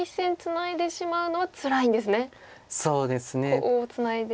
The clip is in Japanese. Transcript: コウをツナいで。